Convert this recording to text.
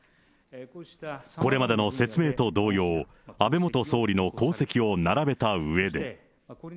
これまでの説明と同様、安倍元総理の功績を並べたうえで。